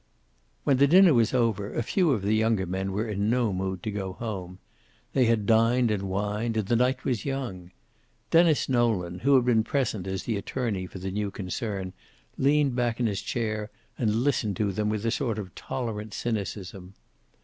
When the dinner was over, a few of the younger men were in no mood to go home. They had dined and wined, and the night was young. Denis Nolan, who had been present as the attorney for the new concern, leaned back in his chair and listened to them with a sort of tolerant cynicism.